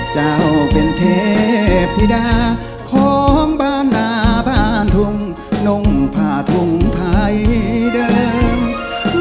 เจ้าเป็นเทพพิดาของบ้านนาบ้านทุ่งนงผ้าถุงไทยเดิม